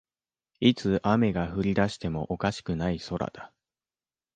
いつ雨が降りだしてもおかしくない空だ